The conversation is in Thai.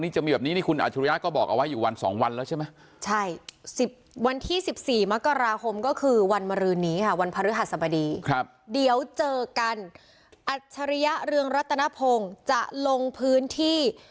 เจอกันอัชริยะเรืองรัตนพงศ์จะลงพื้นที่